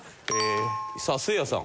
さあせいやさん。